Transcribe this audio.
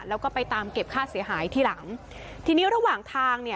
แล้วก็ไปตามเก็บค่าเสียหายที่หลังทีนี้ระหว่างทางเนี่ย